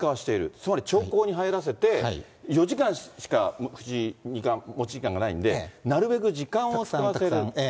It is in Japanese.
つまり長考に入らせて、４時間しか藤井二冠、持ち時間がないんで、なるべく時間を使わせる。